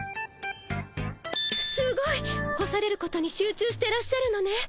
すごい！干されることに集中してらっしゃるのね。